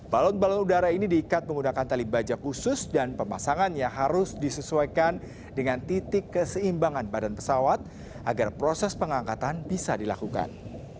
balon balon udara ini diikat menggunakan tali baja khusus dan pemasangan yang harus disesuaikan dengan titik keseimbangan badan pesawat agar proses pengangkatan bisa dilakukan